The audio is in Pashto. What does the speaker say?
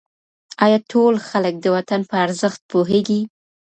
آیا ټول خلک د وطن په ارزښت پوهېږي؟